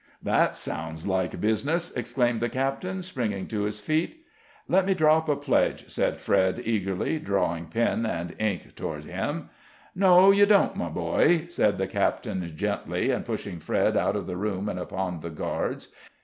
"That sounds like business," exclaimed the captain springing to his feet. "Let me draw up a pledge," said Fred, eagerly, drawing, pen and ink toward him. "No, you don't, my boy," said the captain, gently, and pushing Fred out of the room and upon the guards.